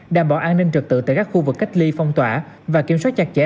đảm bảo an ninh trực tự tại các khu vực cách ly phong tỏa và kiểm soát chặt chẽ